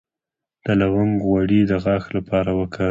د لونګ غوړي د غاښ لپاره وکاروئ